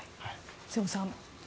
瀬尾さん。